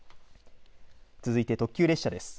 続いて、特急列車です。